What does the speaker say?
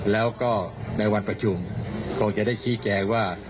แล้วก็ในวันประชุมคงจะได้ชี้แจงว่า